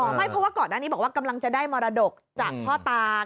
ไม่เพราะว่าก่อนหน้านี้บอกว่ากำลังจะได้มรดกจากพ่อตา